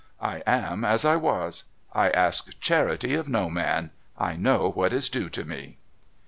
I am as I was. I ask charity of no man. I know what is due to me."